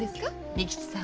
仁吉さん。